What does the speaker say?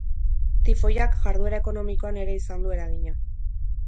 Tifoiak jarduera ekonomikoan ere izan du eragina.